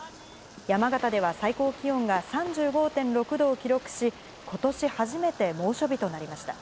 山形では最高気温が３５．６度を記録し、ことし初めて、猛暑日となりました。